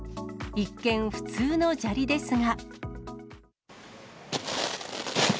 一見、普通の砂利ですが。